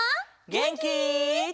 げんき？